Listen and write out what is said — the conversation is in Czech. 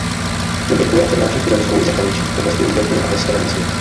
Publikuje a přednáší v tuzemsku i zahraničí v oblasti urgentní a horské medicíny.